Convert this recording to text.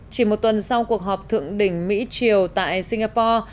chỉ một tuần sau cuộc họp thượng đỉnh mỹ triều tại singapore